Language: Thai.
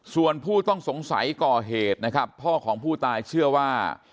ส่วนผู้ต้องสงสัยก่อเหตุนะครับพ่อของผู้ตายเชื่อว่า